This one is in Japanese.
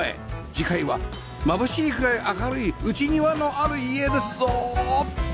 次回はまぶしいぐらい明るい「内庭」のある家ですぞ！